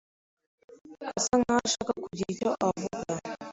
asa nkaho ashaka kugira icyo avuga.